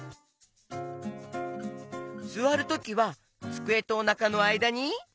すわるときはつくえとおなかのあいだに？